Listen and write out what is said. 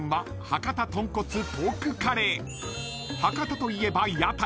［博多といえば屋台］